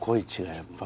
やっぱあ